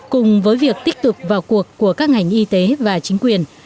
cùng với việc tiếp tục vào cuộc của các ngành y tế và chính quyền